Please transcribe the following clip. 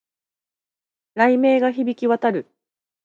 雷鳴が響き渡る